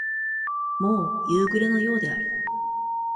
もう、夕暮れのようである。